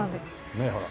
ねえほら。